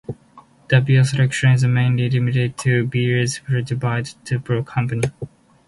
The beer selection is mainly limited to beers brewed by that particular company.